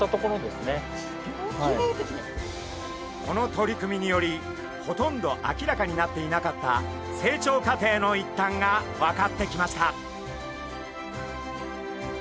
この取り組みによりほとんど明らかになっていなかった成長過程の一端が分かってきました。